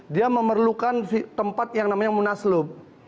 dia memerlukan tempat yang namanya munaslub